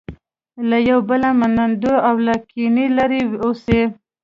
له یو بله منندوی او له کینې لرې اوسي.